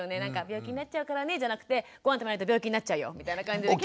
「病気になっちゃうからね」じゃなくて「ごはん食べないと病気になっちゃうよ！」みたいな感じで。